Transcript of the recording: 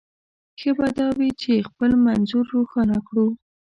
ښه به دا وي چې خپل منظور روښانه کړو.